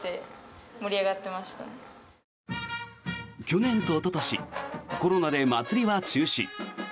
去年とおととしコロナでまつりは中止。